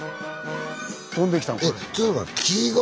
飛んできたこれ。